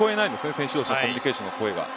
選手同士のコミュニケーションが。